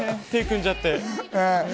手、組んじゃって。